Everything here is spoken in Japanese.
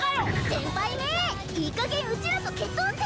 先輩めいいかげんうちらと決闘せえ！